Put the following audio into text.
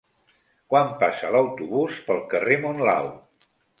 Quan passa l'autobús pel carrer Monlau?